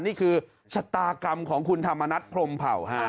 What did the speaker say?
นี่คือชะตากรรมของคุณธรรมนัฐพรมเผ่าฮะ